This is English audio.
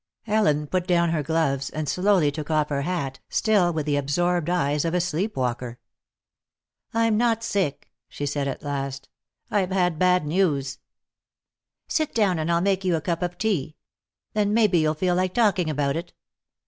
Ellen put down her gloves and slowly took off her hat, still with the absorbed eyes of a sleep walker. "I'm not sick," she said at last. "I've had bad news." "Sit down and I'll make you a cup of tea. Then maybe you'll feel like talking about it."